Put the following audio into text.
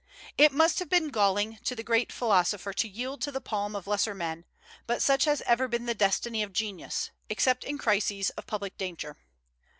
It must have been galling to the great philosopher to yield the palm to lesser men; but such has ever been the destiny of genius, except in crises of public danger.